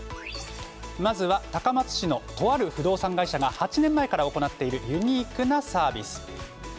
まずは、高松市のとある不動産会社が８年前から行っているユニークなサービス。